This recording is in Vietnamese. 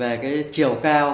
về cái chiều cao